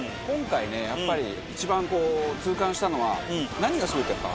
今回ねやっぱり一番痛感したのは何がすごいって。